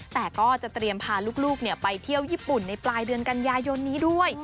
แต่ก็จะเตรียมพาลูกไปเที่ยวญี่ปุ่นในปลายเดือนกันยายนนี้ด้วย